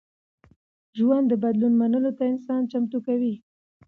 ژوند د بدلون منلو ته انسان چمتو کوي.